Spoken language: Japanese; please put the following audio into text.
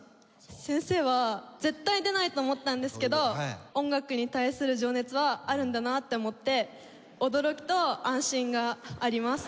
先生は絶対出ないと思ったんですけど音楽に対する情熱はあるんだなって思って驚きと安心があります。